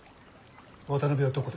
渡辺はどこだ？